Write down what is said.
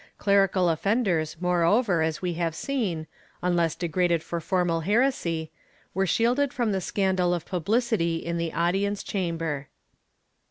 Clerical offenders, moreover, as we have seen, unless degraded for formal heresy, were shielded from the scandal of publicity in the audience chamber.